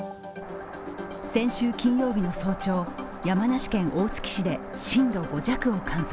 先週金曜日の早朝山梨県大月市で震度５弱を観測。